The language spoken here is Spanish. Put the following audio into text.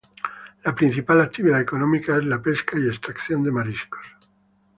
La principal actividad económica es la pesca y extracción de mariscos.